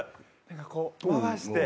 こう回して。